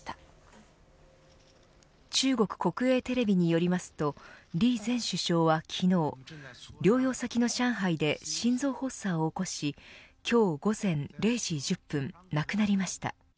中国国営テレビによりますと李前首相は昨日療養先の上海で心臓発作を起こし今日午前０時１０分亡くなりました。